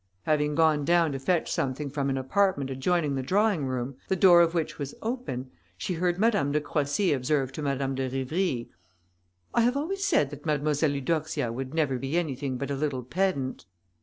Having gone down to fetch something from an apartment adjoining the drawing room, the door of which was open, she heard Madame de Croissy observe to Madame de Rivry, "I have always said that Mademoiselle Eudoxia would never be anything but a little pedant."